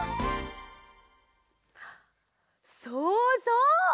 そうそう！